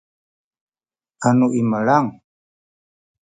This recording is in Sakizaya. anu imelang